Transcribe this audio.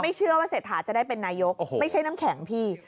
เชื่อว่าเศรษฐาจะได้เป็นนายกไม่ใช่น้ำแข็งพี่